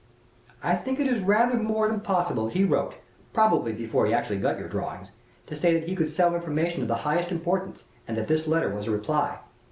I think it is rather more than possible that he wrote probably before he actually got your drawings to say that he could sell information of the highest importance, and that this letter was a reply.